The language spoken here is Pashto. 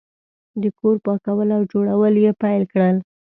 د کور پاکول او جوړول یې پیل کړل.